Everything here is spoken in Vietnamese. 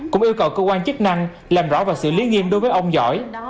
cũng yêu cầu cơ quan chức năng làm rõ và xử lý nghiêm đối với ông giỏi